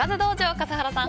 笠原さん